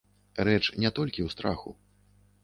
Рэч не толькі ў страху.